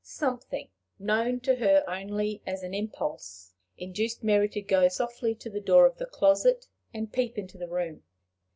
Something, known to her only as an impulse, induced Mary to go softly to the door of the closet, and peep into the room.